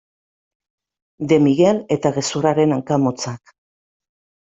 De Miguel eta gezurraren hanka motzak.